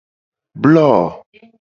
Blo.